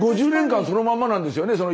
５０年間そのまんまなんですよね